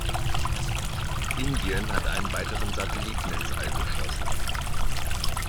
Indien hat einen weiteren Satelliten ins All geschossen.